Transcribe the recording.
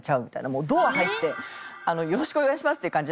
もうドア入って「よろしくお願いします」っていう感じじゃないですよね。